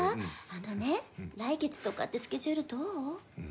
あのね来月とかってスケジュールどう？